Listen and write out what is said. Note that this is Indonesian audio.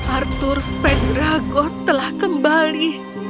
arthur pendragon telah kembali